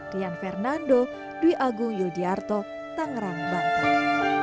dian fernando dwi agung yul diyarto tangerang bangkok